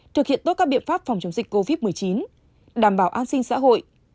thực hiện tốt các biện pháp phòng chống dịch covid một mươi chín đảm bảo an sinh xã hội